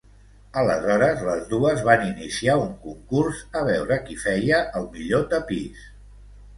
Aleshores les dues van iniciar un concurs a veure qui feia el millor tapís.